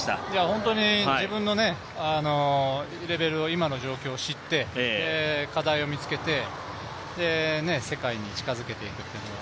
本当に自分のレベルを今の状況を知って課題を見つけて世界に近づけていくっていうのが